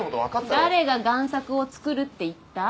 誰が贋作を作るって言った？